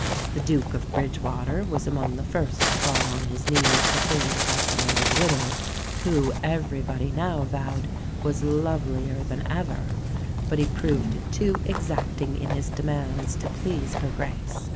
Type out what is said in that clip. The Duke of Bridgewater was among the first to fall on his knees before the fascinating widow, who, everybody now vowed, was lovelier than ever; but he proved too exacting in his demands to please Her Grace.